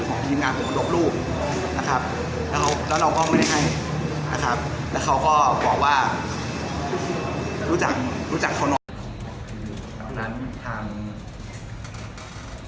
ของทีมงานผมลบรูป